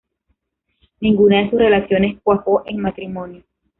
Ninguna de sus relaciones cuajó en matrimonio.